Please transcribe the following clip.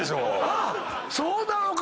あっそうなのか！